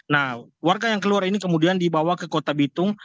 nah warga yang keluar ini kemudian dibawa ke kota bitung